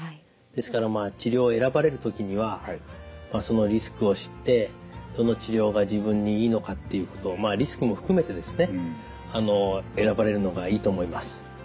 ですから治療を選ばれる時にはそのリスクを知ってどの治療が自分にいいのかっていうことをまあリスクも含めてですね選ばれるのがいいと思います。